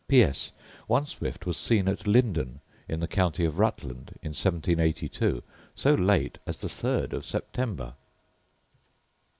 P.S. One swift was seen at Lyndon, in the county of Rutland, in 1782, so late as the third of September.